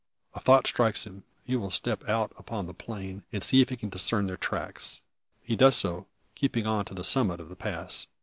A thought strikes him: he will step out upon the plain, and see if he can discern their tracks. He does so, keeping on to the summit of the pass.